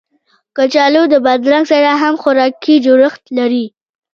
کچالو د بادرنګ سره هم خوراکي جوړښت لري